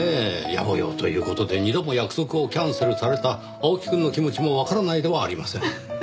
やぼ用という事で二度も約束をキャンセルされた青木くんの気持ちもわからないではありません。